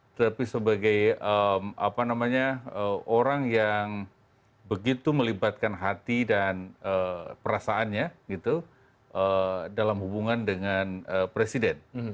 tetapi sebagai orang yang begitu melibatkan hati dan perasaannya gitu dalam hubungan dengan presiden